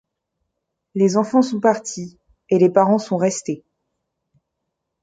Les enfants sont partis, et les parents sont restés.